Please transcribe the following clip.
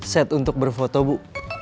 set untuk berfoto bu